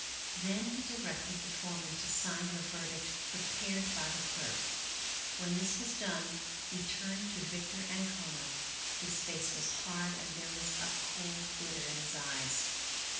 Then he di rected the foreman to sign the verdict prepared by the clerk. When this was done he turned to Victor Ancona; his face was hard and there was a cold glitter in his eyes.